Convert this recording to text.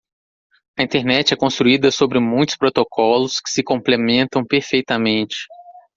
A Internet é construída sobre muitos protocolos que se complementam perfeitamente.